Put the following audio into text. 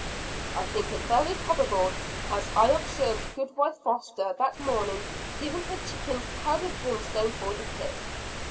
"I think it very probable; as I observed Goodwife Foster that morning giving her chickens powdered brimstone for the pip."